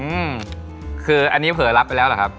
อืมคืออันนี้เผลอรับไปแล้วหรือครับ